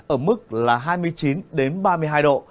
ở mức là hai mươi chín đến ba mươi hai độ